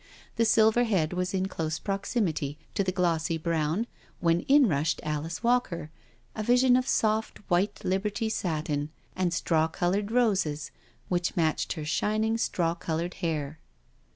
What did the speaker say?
The silver head was in close proximity to the glossy brown when in rushed Alice Walker, a vision of soft, white Liberty satin, and straw coloured roses which matched her shining straw coloured hair.